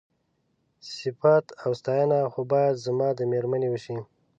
صيفت او ستاينه خو بايد زما د مېرمنې وشي.